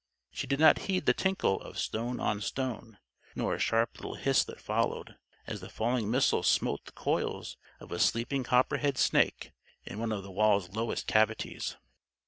She did not heed the tinkle of stone on stone; nor a sharp little hiss that followed, as the falling missile smote the coils of a sleeping copperhead snake in one of the wall's lowest cavities.